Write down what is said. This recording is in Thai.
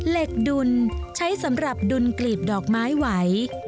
เหล็กดุลใช้สำหรับดุลกลีบดอกไม้ไหว